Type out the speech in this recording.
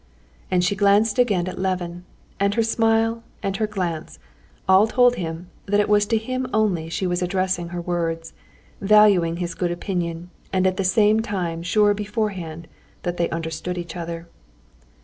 And she glanced again at Levin. And her smile and her glance—all told him that it was to him only she was addressing her words, valuing his good opinion, and at the same time sure beforehand that they understood each other.